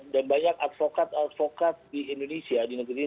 dan banyak advokat advokat di indonesia di negeri ini